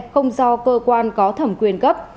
không do cơ quan có thẩm quyền gấp